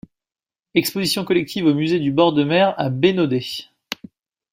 Exposition collective au Musée du bord de mer à Bénodet.